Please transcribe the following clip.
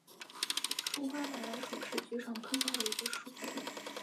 疏花马蓝属是爵床科下的一个属。